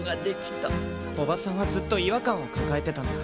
おばさんはずっと違和感を抱えてたんだ。